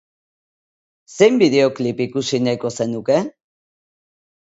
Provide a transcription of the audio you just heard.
Zein bideoklip ikusi nahiko zenuke?